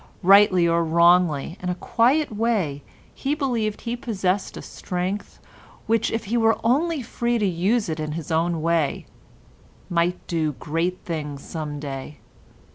Rightly or wrongly, in a quiet way he believed he possessed a strength which, if he were only free to use it in his own way, might do great things some day.